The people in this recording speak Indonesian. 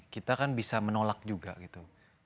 kita kan bisa menolak juga gitu